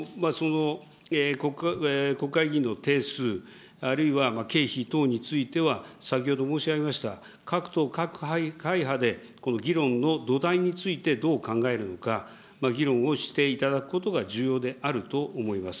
国会議員の定数、あるいは経費等については、先ほど申し上げました各党各会派でこの議論の土台についてどう考えるのか、議論をしていただくことが重要であると思います。